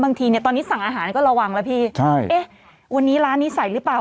บางทีเนี่ยตอนนี้สั่งอาหารก็ระวังแล้วพี่ใช่เอ๊ะวันนี้ร้านนี้ใส่หรือเปล่า